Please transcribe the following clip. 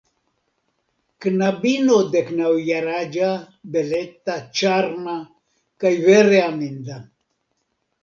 Knabino deknaŭjaraĝa, beleta, ĉarma kaj vere aminda.